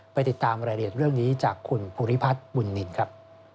ไปติดตามรายละเอียดเรื่องนี้จากคุณภูริพัฒน์บุญนินครับ